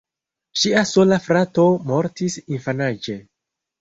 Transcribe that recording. Ŝia sola frato mortis infanaĝe.